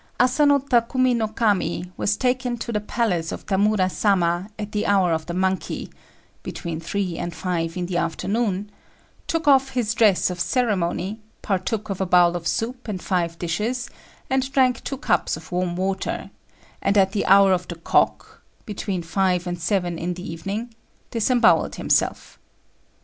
Asano Takumi no Kami was taken to the palace of Tamura Sama at the hour of the monkey (between three and five in the afternoon), took off his dress of ceremony, partook of a bowl of soup and five dishes, and drank two cups of warm water, and at the hour of the cock (between five and seven in the evening) disembowelled himself.